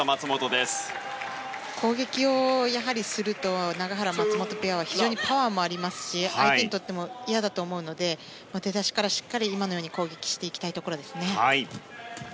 やはり、攻撃をすると永原、松本ペアは非常にパワーもありますし相手にとっても嫌だと思いますので出だしからしっかり今のように攻撃したいところですね。